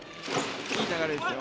いい流れですよ。